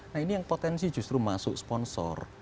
nah ini yang potensi justru masuk sponsor